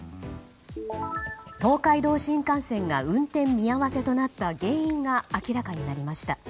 東海道新幹線が運転見合わせとなった原因が明らかになりました。